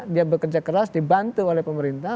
dia bekerja keras dibantu oleh pemerintah